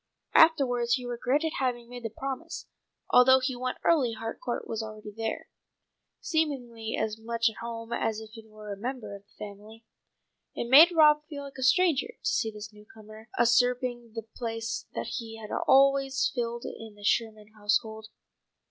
Afterwards he regretted having made the promise. Although he went early Harcourt was already there, seemingly as much at home as if he were a member of the family. It made Rob feel like a stranger to see this newcomer usurping the place that he had always filled in the Sherman household.